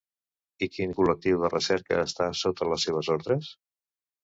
I quin col·lectiu de recerca està sota les seves ordres?